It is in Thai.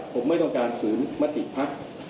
ผมไม่ต้องการถือมัตติภักษ์